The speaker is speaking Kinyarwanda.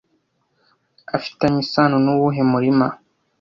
afitanye isano nuwuhe murima